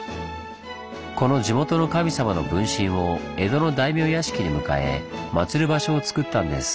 この地元の神様の分身を江戸の大名屋敷に迎え祭る場所をつくったんです。